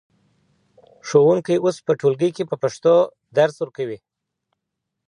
ښوونکی اوس په ټولګي کي په پښتو درس ورکوي.